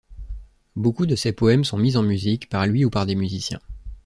Beaucoup de ses poèmes sont mis en musique, par lui ou par des musiciens.